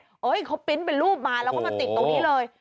เฮ้ยเขาปริ้นต์เป็นรูปมาแล้วก็มาติดตรงนี้เลย